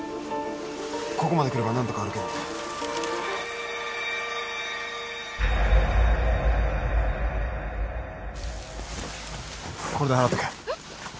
ここまで来れば何とか歩けるんでこれで払っとけえッ？